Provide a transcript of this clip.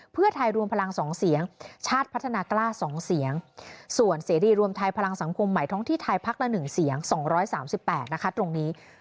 เพื่อไทยรวมพลัง๒เสียงชาติพัฒนากล้า๒เสียงส่วนเสรีรวมไทยพลังสังคมใหม่ท้องที่ไทยพักละ๑เสียง๒๓๘นะคะตรงนี้